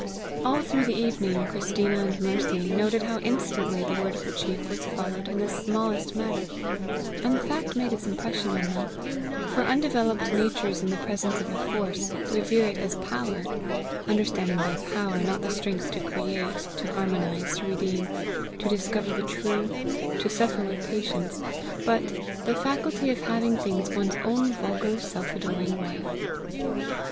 All through the evening Christina and Mercy noted how instantly the word of the chief was followed in the smallest matter, and the fact made its impression on them; for undeveloped natures in the presence of a force, revere it as POWER understanding by POWER, not the strength to create, to harmonize, to redeem, to discover the true, to suffer with patience; but the faculty of having things one's own vulgar, self adoring way.